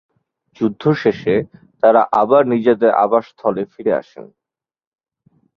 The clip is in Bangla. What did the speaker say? যুদ্ধ শেষে তারা আবার নিজেদের আবাসস্থলে ফিরে আসেন।